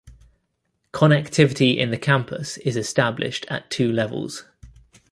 Connectivity in the campus is established at two levels.